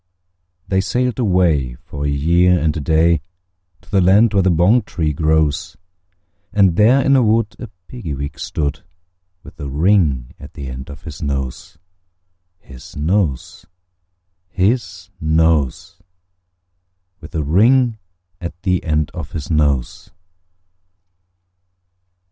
They sailed away, for a year and a day, To the land where the bong tree grows; And there in a wood a Piggy wig stood, With a ring at the end of his nose, His nose, His nose, With a ring at the end of his nose.